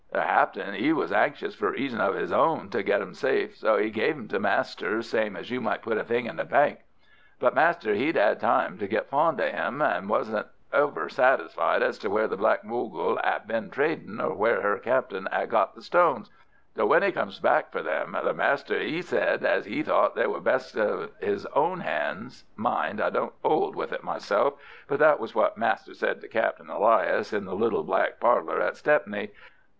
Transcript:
The captain 'e was anxious for reasons of 'is own to get them safe, so 'e gave them to master, same as you might put a thing in a bank. But master 'e'd 'ad time to get fond of them, and 'e wasn't over satisfied as to where the Black Mogul 'ad been tradin', or where her captain 'ad got the stones, so when 'e come back for them the master 'e said as 'e thought they were best in 'is own 'ands. Mind I don't 'old with it myself, but that was what master said to Captain Elias in the little back parlour at Stepney.